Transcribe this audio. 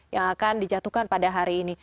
yang akan dijatuhkan pada hari ini